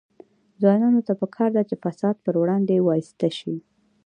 ځوانانو ته پکار ده چې، فساد پر وړاندې وایسته شي.